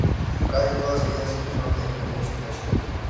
Casi todas ellas son de Elvis Presley.